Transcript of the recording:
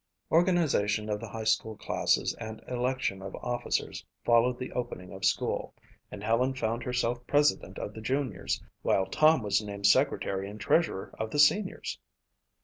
Organization of the high school classes and election of officers followed the opening of school and Helen found herself president of the juniors while Tom was named secretary and treasurer of the seniors.